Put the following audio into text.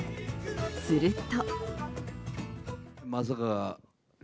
すると。